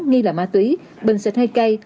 nghi là ma túy bình xịt hai cây